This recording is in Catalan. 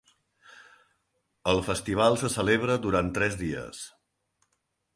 El festival se celebra durant tres dies.